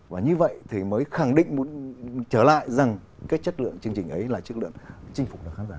và như vậy thì mới khẳng định muốn trở lại rằng cái chất lượng chương trình ấy là chất lượng chinh phục được khán giả